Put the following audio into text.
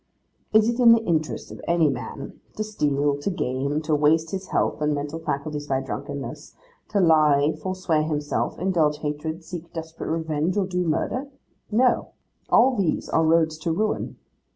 Is it the interest of any man to steal, to game, to waste his health and mental faculties by drunkenness, to lie, forswear himself, indulge hatred, seek desperate revenge, or do murder? No. All these are roads to ruin.